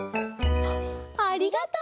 ありがとう！